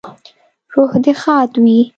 روح دې ښاد وي